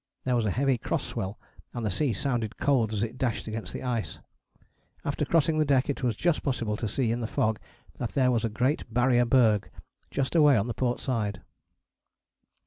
There was a heavy cross swell, and the sea sounded cold as it dashed against the ice. After crossing the deck it was just possible to see in the fog that there was a great Barrier berg just away on the port side."